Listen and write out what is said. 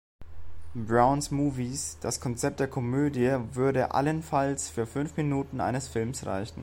Brown's Movies", das Konzept der Komödie würde allenfalls für fünf Minuten eines Films reichen.